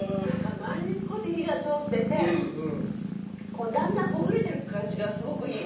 周りに少し火が通っててだんだんほぐれてる感じがすごくいい。